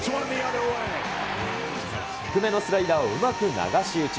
低めのスライダーをうまく流し打ち。